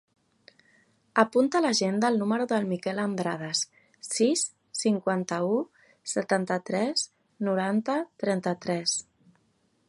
Apunta a l'agenda el número del Miquel Andrades: sis, cinquanta-u, setanta-tres, noranta, trenta-tres.